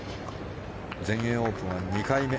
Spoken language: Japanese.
全英オープンは２回目。